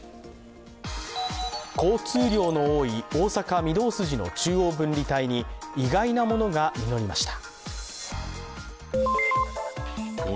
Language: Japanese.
交通量の多い大阪・御堂筋の中央分離帯に意外なものが実りました。